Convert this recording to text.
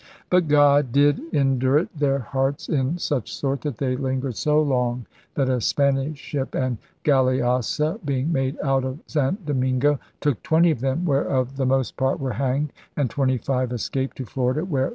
... But God ... did indurate their hearts in such sort that they lingered so long that a [Span ish] ship and galliasse being made out of St. Domingo ... took twenty of them, whereof the most part were hanged ... and twenty five escaped ... to Florida, where